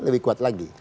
lebih kuat lagi